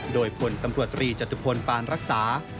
โดยพลตำรวจตรีจตุพลปานรักษา